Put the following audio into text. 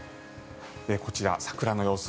こちら、桜の様子